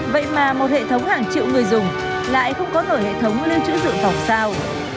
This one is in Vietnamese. vậy mà một hệ thống hàng triệu người dùng lại không có đổi hệ thống lưu trữ dự phòng sao